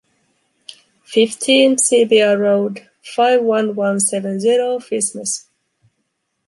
Fifteen, CBR Road, five-one-one-seven-zero, Fismes.